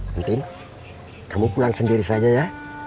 hentin kamu pulang sendiri saja ya